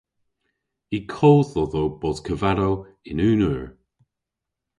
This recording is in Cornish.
Y kodh dhodho bos kavadow yn unn eur.